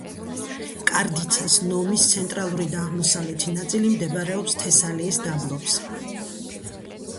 კარდიცას ნომის ცენტრალური და აღმოსავლეთი ნაწილი მდებარეობს თესალიის დაბლობზე.